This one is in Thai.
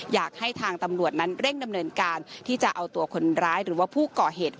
อยากให้ทางตำรวจนั้นเร่งดำเนินการที่จะเอาตัวคนร้ายหรือว่าผู้ก่อเหตุ